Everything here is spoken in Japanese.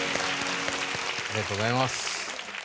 ありがとうございます。